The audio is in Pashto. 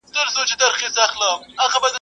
o يوه سپي مېچنه څټله، بل ئې کونه څټله.